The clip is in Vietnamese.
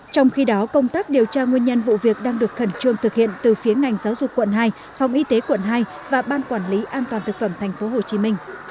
trong khi đó công tác điều tra nguyên nhân vụ việc đang được khẩn trương thực hiện từ phía ngành giáo dục quận hai phòng y tế quận hai và ban quản lý an toàn thực phẩm tp hcm